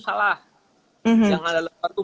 salah yang anda lakukan itu